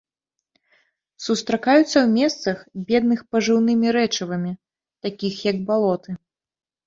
Сустракаюцца ў месцах, бедных пажыўнымі рэчывамі, такіх як балоты.